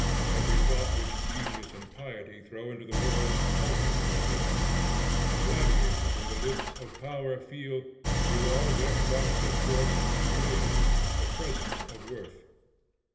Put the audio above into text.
Every thought which genius and piety throw into the world, alters the world. The gladiators in the lists of power feel, through all their frocks of force and simulation, the presence of worth.